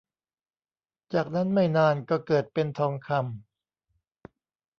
จากนั้นไม่นานก็เกิดเป็นทองคำ